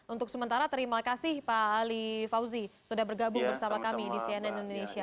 untuk sementara terima kasih pak ali fauzi sudah bergabung bersama kami di cnn indonesia